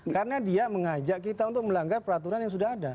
karena dia mengajak kita untuk melanggar peraturan yang sudah ada